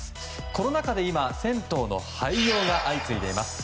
コロナ禍で今銭湯の廃業が相次いでいます。